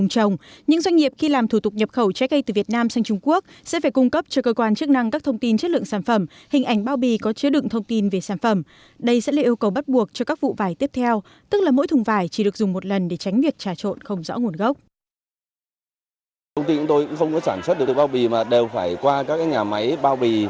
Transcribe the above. công ty của tôi cũng không có sản xuất được bao bì mà đều phải qua các nhà máy bao bì